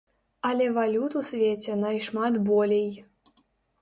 Але валют у свеце нашмат болей.